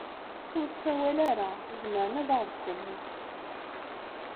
Ur ssawal ara. Zemren ad aɣ-d-slen.